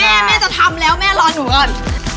แม่แม่จะทำแล้วแม่รอหนูก่อน